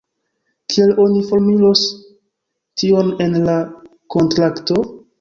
Kiel oni formulos tion en la kontrakto?